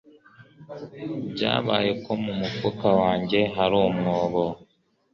Byabaye ko mu mufuka wanjye hari umwobo